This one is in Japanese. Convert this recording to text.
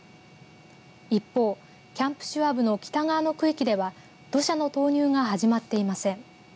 一方、キャンプシュワブの北側の区域では土砂の投入が始まっていません。